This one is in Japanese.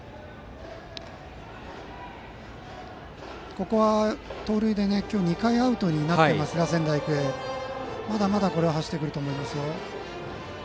ここは、盗塁で今日、仙台育英は２回アウトになっていますがまだまだ走ってくると思いますよ。